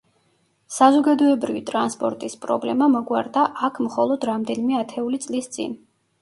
საზოგადოებრივი ტრანსპორტის პრობლემა მოგვარდა აქ მხოლოდ რამდენიმე ათეული წლის წინ.